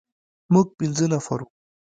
موږ پنځه نفر وو.